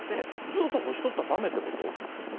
ずっと干しとったらだめということ？